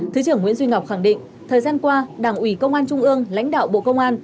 thứ trưởng nguyễn duy ngọc khẳng định thời gian qua đảng ủy công an trung ương lãnh đạo bộ công an